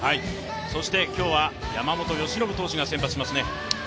そして今日は山本由伸投手が先発しますよね。